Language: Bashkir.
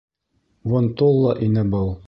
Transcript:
Вон-толла ине был.